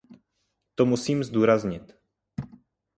To musím zdůraznit.